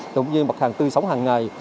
cũng như mặt hàng tư sống hàng ngày